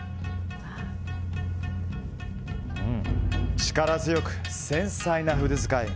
力強く繊細な筆使い。